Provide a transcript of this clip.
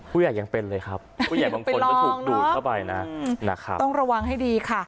ผู้ใหญ่ยังเป็นเลยครับผู้ใหญ่บางคนก็ถูกดูดเข้าไปนะนะครับต้องระวังให้ดีค่ะ